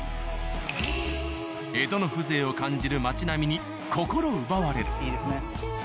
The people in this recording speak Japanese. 江戸の風情を感じる街並みに心奪われる。